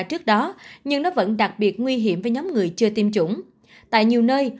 trước đó nhưng nó vẫn đặc biệt nguy hiểm với nhóm người chưa tiêm chủng tại nhiều nơi